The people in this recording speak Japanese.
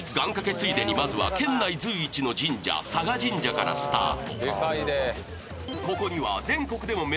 ついでにまずは県内随一の神社佐嘉神社からスタート